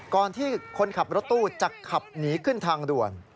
ก่อนที่คนขับรถตู้จะขับหนีขึ้นทางด่วน